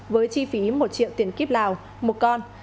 với chi phí một triệu tiền kíp lào một con